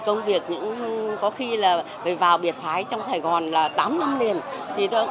công việc có khi phải vào biệt phái trong sài gòn là tám năm liền